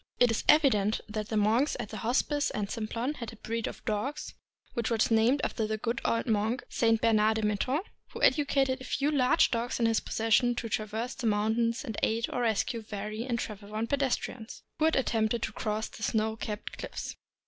It is evident that the monks at Hos pice and Simplon had a breed of dogs which was named after the good old monk, St. Bernard de Menthon, who educated a few large dogs in his possession to traverse the mountains and aid or rescue weary and travel worn pedestrians who had attempted to cross the snow capped cliffs.